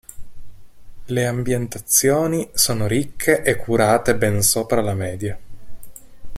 Le ambientazioni sono ricche e curate ben sopra la media.